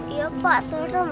iya pak serem